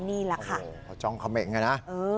นี่ละค่ะ